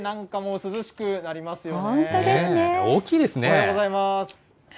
おはようございます。